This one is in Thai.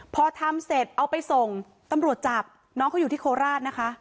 พอทำเสร็จเอาไปส่งตำรวจจับน้องเขาอยู่ที่โคราชนะคะ